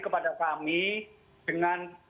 kepada kami dengan